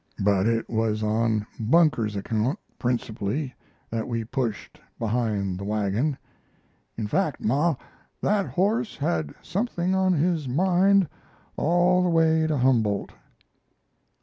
But it was on Bunker's account, principally, that we pushed behind the wagon. In fact, Ma, that horse had something on his mind all the way to Humboldt.